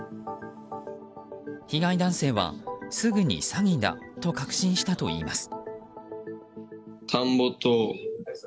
被害男性は、すぐに詐欺だと確信したといいます。